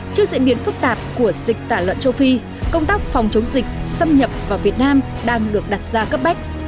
trước diễn biến phức tạp của dịch tả lợn châu phi công tác phòng chống dịch xâm nhập vào việt nam đang được đặt ra cấp bách